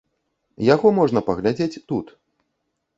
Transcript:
Яго можна паглядзець тут.